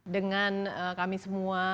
dengan kami semua